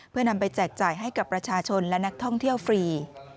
เพื่อนำไปแจกจ่ายให้กับประชาชนและนักท่องเที่ยวฟรี